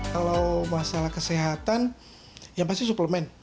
kalau masalah kesehatan yang pasti suplemen